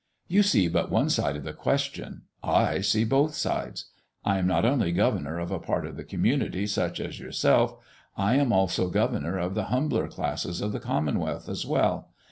You see but one side of the question; I see both sides. I am not only governor of a part of the community such as yourself; I am also governor of the humbler classes of the commonwealth as well.